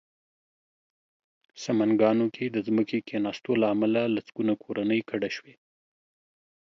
سمنګانو کې د ځمکې کېناستو له امله لسګونه کورنۍ کډه شوې